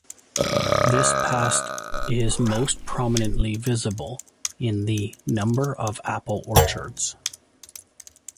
This past is most prominently visible in the number of apple orchards.